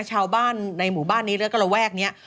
ชาวบ้านในหมู่บ้านนี้เลือกกาลแวะนี้